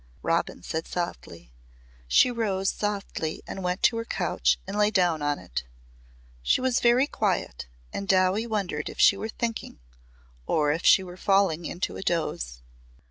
Robin said softly. She rose softly and went to her couch and lay down on it. She was very quiet and Dowie wondered if she were thinking or if she were falling into a doze.